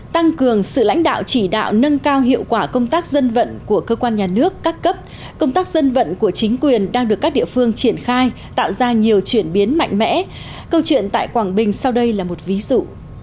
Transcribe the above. tăng cường sự lãnh đạo chỉ đạo nâng cao hiệu quả công tác dân vận của cơ quan nhà nước các cấp công tác dân vận của chính quyền đang được các địa phương triển khai tạo ra nhiều chuyển biến mạnh mẽ câu chuyện tại quảng bình sau đây là một ví dụ